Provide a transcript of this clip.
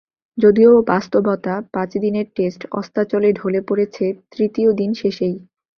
যদিও বাস্তবতা, পাঁচ দিনের টেস্ট অস্তাচলে ঢলে পড়েছে তৃতীয় দিন শেষেই।